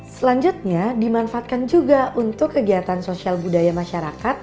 selanjutnya dimanfaatkan juga untuk kegiatan sosial budaya masyarakat